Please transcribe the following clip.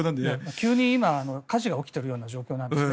急に今火事が起きているような状況なんですね。